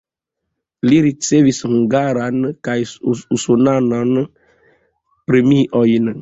Li ricevis hungaran kaj usonan premiojn.